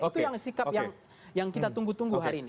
itu yang sikap yang kita tunggu tunggu hari ini